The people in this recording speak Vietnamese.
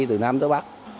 từ nam tới bắc